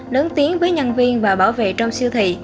lớn tiếng với nhân viên và bảo vệ trong siêu thị